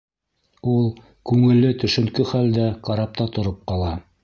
Ул күңеле төшөнкө хәлдә карапта тороп ҡала.